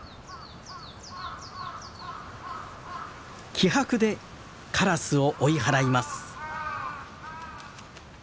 気迫でカラスを追い払います。